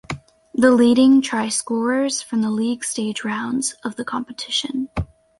The leading try scorers from the League Stage rounds of the competition.